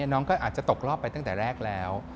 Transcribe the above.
น้องก็อาจจะตกรอบไปตั้งแต่แรกแล้ว